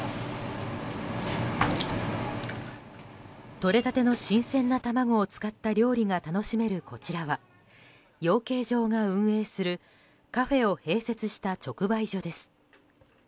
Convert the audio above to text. とれたての新鮮な卵を使った料理が楽しめるこちらは養鶏場が運営するカフェを併設した直売所です。